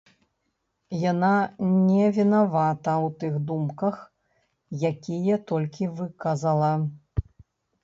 Яна не вінавата ў тых думках, якія толькі выказала.